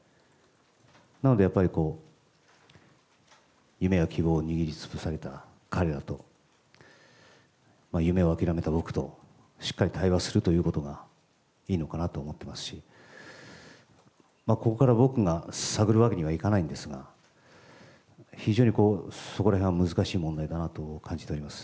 なので、やっぱり夢や希望を握りつぶされた彼らと、夢を諦めた僕と、しっかり対話するということがいいのかなと思ってますし、ここから僕が探るわけにはいかないんですが、非常にそこらへんは難しい問題だなと感じております。